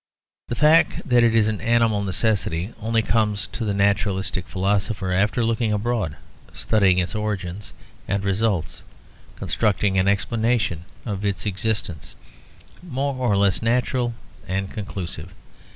The fact that it is an animal necessity only comes to the naturalistic philosopher after looking abroad, studying its origins and results, constructing an explanation of its existence, more or less natural and conclusive.